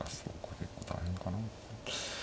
結構大変かな。